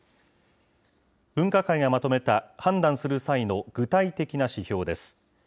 分科会がまとめた判断する際の具体的な指標です。